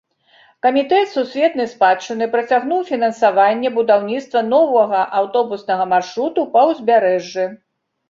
Камітэт сусветнай спадчыны прыцягнуў фінансаванне будаўніцтва новага аўтобуснага маршруту па ўзбярэжжы.